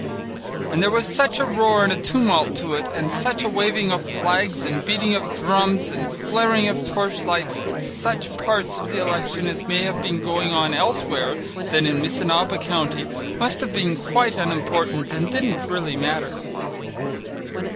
And there was such a roar and a tumult to it, and such a waving of flags and beating of drums and flaring of torchlights that such parts of the election as may have been going on elsewhere than in Missinaba county must have been quite unimportant and didn't really matter.